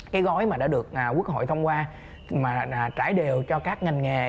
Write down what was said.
cái gói mà đã được quốc hội thông qua mà trải đều cho các ngành nghề